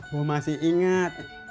gue masih ingat